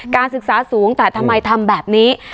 การศึกษาสูงแต่ทำไมทำแบบนี้